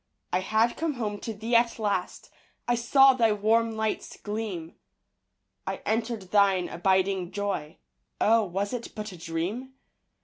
I had come home to thee at last. I saw thy warm lights gleam. I entered thine abiding joy, Oh, was it but a dream?